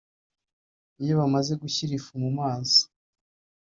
iyo bamaze gushyira ifu mu mazi